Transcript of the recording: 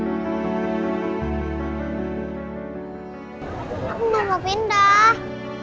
aku nggak mau pindah